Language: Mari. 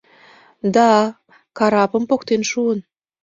Да, карапым поктен шуын